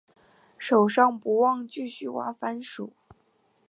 手上不忘继续挖番薯